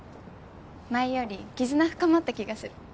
前より絆深まった気がする。